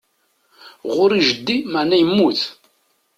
Ɣur-i jeddi meɛna yemmut.